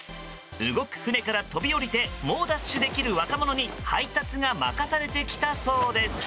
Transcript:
動く船から飛び降りて猛ダッシュできる若者に配達が任されてきたそうです。